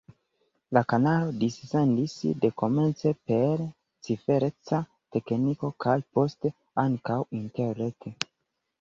La kanalo dissendis dekomence per cifereca tekniko kaj poste ankaŭ interrete.